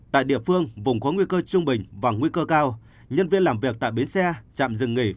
tại địa phương vùng có nguy cơ trung bình và nguy cơ cao nhân viên làm việc tại bến xe trạm dừng nghỉ